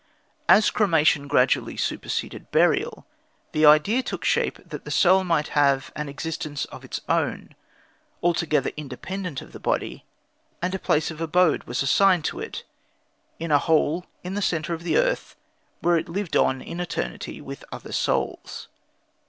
As cremation gradually superseded burial, the idea took shape that the soul might have an existence of its own, altogether independent of the body, and a place of abode was assigned to it in a hole in the centre of the earth, where it lived on in eternity with other souls.